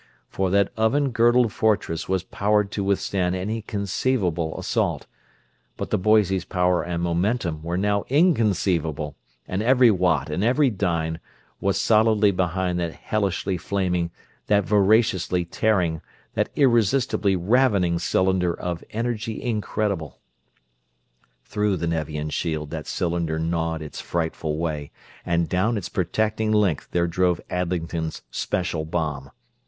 For that oven girdled fortress was powered to withstand any conceivable assault; but the Boise's power and momentum were now inconceivable, and every watt and every dyne was solidly behind that hellishly flaming, that voraciously tearing, that irresistibly ravening cylinder of energy incredible! Through the Nevian shield that cylinder gnawed its frightful way, and down its protecting length there drove Adlington's "Special" bomb.